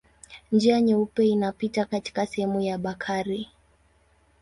Njia Nyeupe inapita katika sehemu ya Bakari.